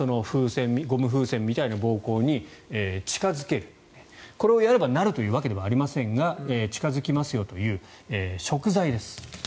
ゴム風船みたいな膀胱に近付けるこれをやればなるというわけではありませんが近付きますよという食材です。